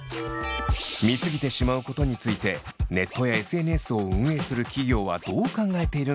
見過ぎてしまうことについてネットやＳＮＳを運営する企業はどう考えているのか？